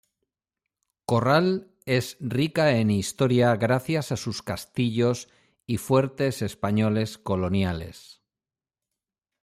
Corral es rica en historia gracias a sus castillos y fuertes españoles coloniales.